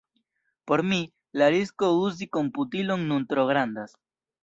Por mi, la risko uzi komputilon nun tro grandas.